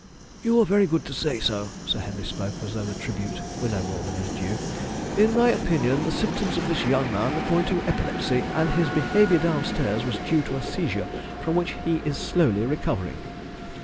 "You are very good to say so." Sir Henry spoke as though the tribute were no more than his due. "In my opinion, the symptoms of this young man point to epilepsy, and his behaviour downstairs was due to a seizure from which he is slowly recovering."